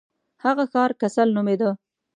هغه ښار کسل نومیده.